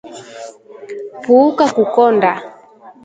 Puuka kukonda